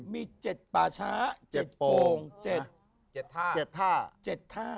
มีเจ็ดปาช้าเจ็ดโปงเจ็ดท่า